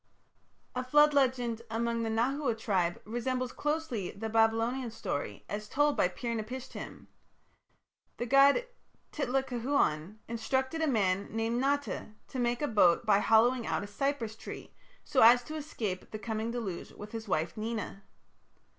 A flood legend among the Nahua tribes resembles closely the Babylonian story as told by Pir napishtim. The god Titlacahuan instructed a man named Nata to make a boat by hollowing out a cypress tree, so as to escape the coming deluge with his wife Nena.